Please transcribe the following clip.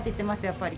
やっぱり。